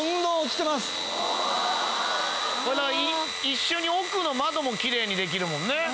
一緒に奥の窓もきれいにできるもんね。